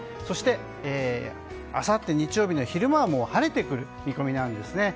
そして、あさって日曜日の昼間はもう晴れてくる見込みなんです。